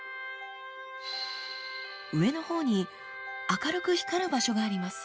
上のほうに明るく光る場所があります。